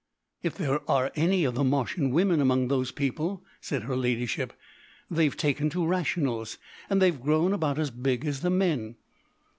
"If there are any of the Martian women among those people," said her ladyship, "they've taken to rationals, and they've grown about as big as the men."